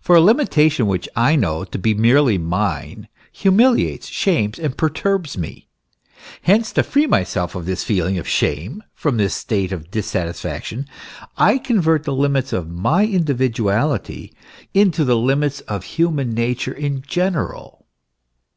For a limitation which I know to be merely mine humiliates, shames, and perturbs me. Hence to free myself from this feeling of shame, from this state of dissatisfaction, I convert the limits of my individuality into the limits of human nature in general.